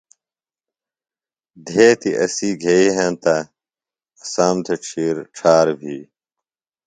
دھیتیۡ اسی گھئیۡ ہینتہ، اسام تھےۡ ڇِھیر ڇھار بھی